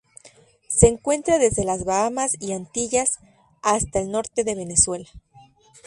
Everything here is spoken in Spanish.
Se encuentra desde las Bahamas y Antillas hasta el norte de Venezuela.